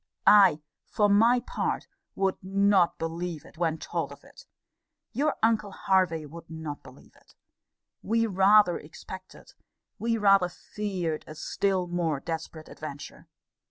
I, for my part, would not believe it, when told of it. Your uncle Hervey would not believe it. We rather expected, we rather feared, a still more desperate adventure.